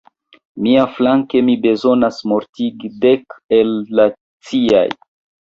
Miaflanke, mi bezonas mortigi dek el la ciaj.